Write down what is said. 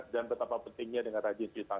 dan betapa pentingnya dengan rajin cuci tangan